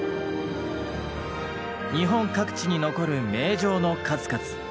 日本各地に残る名城の数々。